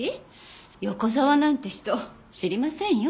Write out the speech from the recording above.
横沢なんて人知りませんよ。